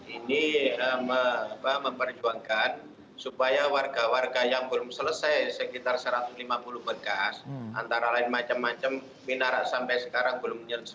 ini memperjuangkan supaya warga warga yang belum selesai sekitar satu ratus lima puluh bekas antara lain macam macam minarak sampai sekarang belum menyelesaikan